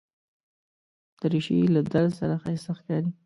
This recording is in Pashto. دریشي له درز سره ښایسته ښکاري.